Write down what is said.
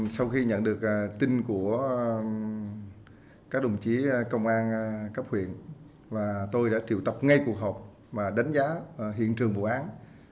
sau khi nhận được tin của các đồng chí công an cấp huyện và tôi đã triệu tập ngay cuộc họp và đánh giá hiện trường vụ án